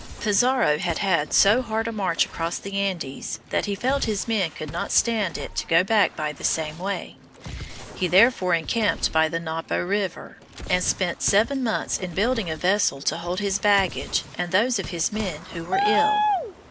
Pizarro had had so hard a march across the Andes that he felt his men could not stand it to go back by the same way. He therefore encamped by the Napo River, and spent seven months in building a vessel to hold his baggage and those of his men who were ill.